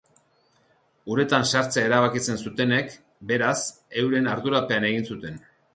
Uretan sartzea erabakitzen zutenek, beraz, euren ardurapean egiten zuten.